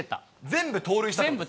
全部盗塁したと。